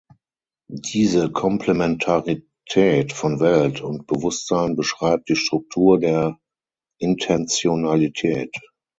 Diese Komplementarität von Welt und Bewusstsein beschreibt die Struktur der Intentionalität.